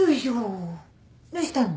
どうしたの？